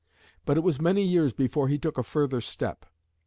But it was many years before he took a further step.